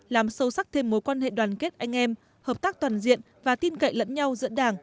làm sâu sắc thêm mối quan hệ đoàn kết anh em hợp tác toàn diện và tin cậy lẫn nhau giữa đảng